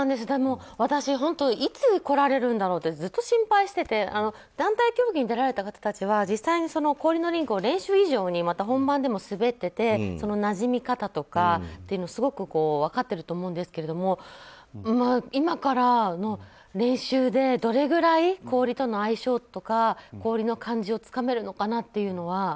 でも私いつ来られるんだろうってずっと心配してて団体競技に出られた方たちは実際に氷のリンクを練習以上に本番でも滑っててなじみ方とかというのをすごく分かってると思うんですが今からの練習でどれぐらい氷との相性とか、氷の感じをつかめるのかなっていうのは。